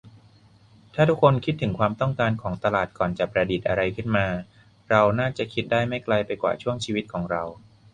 ถ้าทุกคนคิดถึงความต้องการของตลาดก่อนจะประดิษฐ์อะไรขึ้นมา เราน่าจะคิดได้ไม่ไกลไปกว่าช่วงชีวิตของเรา